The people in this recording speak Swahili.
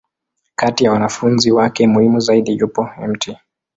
Kati ya wanafunzi wake muhimu zaidi, yupo Mt.